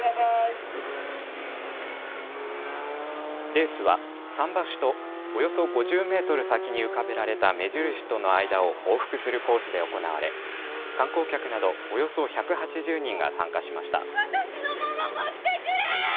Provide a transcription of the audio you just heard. レースは桟橋と、およそ５０メートル先に浮かべられた目印との間を往復するコースで行われ観光客などおよそ１８０人が参加しました。